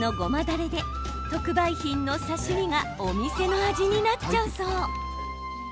だれで特売品の刺身がお店の味になっちゃうそう。